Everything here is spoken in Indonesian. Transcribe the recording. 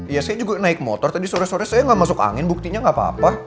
ya saya juga naik motor tadi sore sore saya nggak masuk angin buktinya nggak apa apa